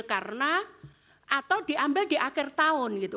karena atau diambil di akhir tahun gitu